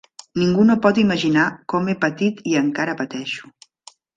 Ningú no pot imaginar com he patit i encara pateixo.